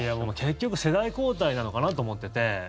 結局、世代交代なのかなと思ってて。